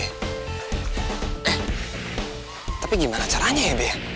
eh tapi gimana caranya ya be